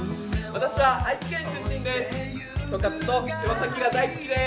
私は愛知県出身です。